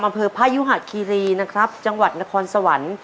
อำเภอพายุหาฯฯกีรีย์นะครับจังหวัดกระคอนสวรรค์